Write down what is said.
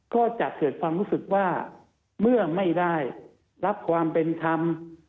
ก็จะเกิดความรู้สึกว่าเมื่อไม่ได้รับความเป็นธรรม